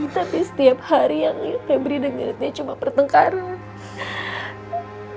tapi setiap hari yang febri dengernya cuma pertengkaran